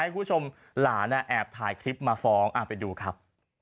คุณผู้ชมหลานแอบถ่ายคลิปมาฟ้องไปดูครับ